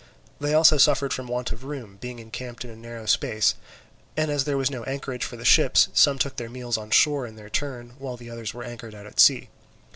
They also suffered from want of room, being encamped in a narrow space; and as there was no anchorage for the ships, some took their meals on shore in their turn, while the others were anchored out at sea.